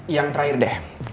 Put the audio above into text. yang terakhir deh